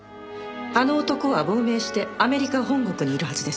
あの男は亡命してアメリカ本国にいるはずです。